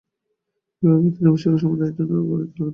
এই ভাবিয়া তিনি অভিষেকের সমুদয় আয়োজন করিতে লাগিলেন।